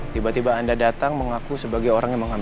tiba tiba anda datang mengaku sebagai orang yang mengambil